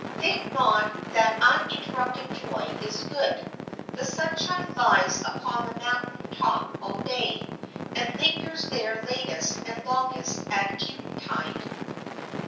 Think not that uninterrupted joy is good. The sunshine lies upon the mountain top all day, and lingers there latest and longest at eventide.